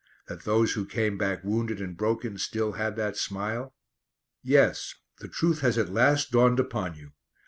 That those who came back wounded and broken still had that smile? Yes: the truth has at last dawned upon you.